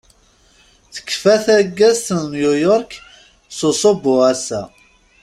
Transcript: Tekfa taggazt n New York s usubbu ass-a.